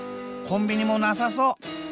コンビニもなさそう。